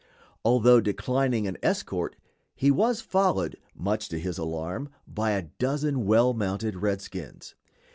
Although declining an escort, he was followed, much to his alarm, by a dozen well mounted redskins.